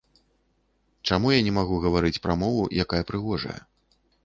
Чаму я не магу гаварыць пра мову, якая прыгожая.